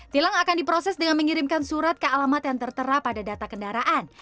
tilang akan diproses dengan mengirimkan surat ke alamat yang tertera pada data kendaraan